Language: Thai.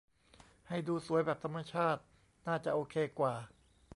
ให้ดูสวยแบบธรรมชาติน่าจะโอเคกว่า